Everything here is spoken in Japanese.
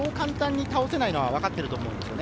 そう簡単に倒せないのは分かっていると思いますね。